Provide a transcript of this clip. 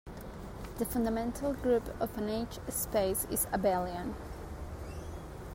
The fundamental group of an H-space is abelian.